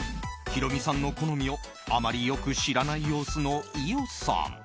ヒロミさんの好みをあまりよく知らない様子の伊代さん。